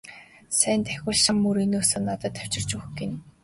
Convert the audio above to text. Сайн давхивал шан мөрийнөөсөө надад авчирч өгөх гэнэ.